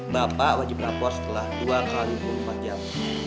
bapak wajib lapor setelah dua x dua puluh empat jam